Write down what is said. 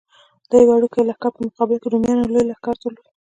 د دې وړوکي لښکر په مقابل کې رومیانو لوی لښکر درلود.